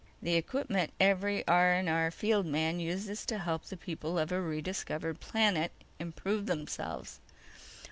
"The equipment every R&R field man uses to help the people of a rediscovered planet improve themselves."